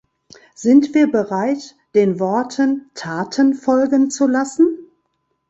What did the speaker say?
Sind wir bereit, den Worten Taten folgen zu lassen?